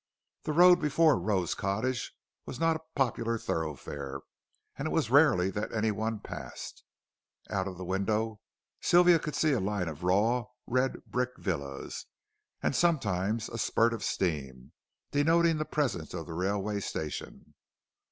The road before Rose Cottage was not a popular thoroughfare, and it was rarely that anyone passed. Out of the window Sylvia could see a line of raw, red brick villas, and sometimes a spurt of steam, denoting the presence of the railway station.